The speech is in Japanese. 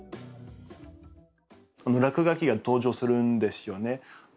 落書きが登場するんですよね。